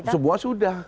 oh semua sudah